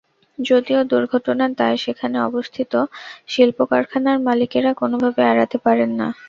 যদিও দুর্ঘটনার দায় সেখানে অবস্থিত শিল্প-কারখানার মালিকেরা কোনোভাবে এড়াতে পারেন না।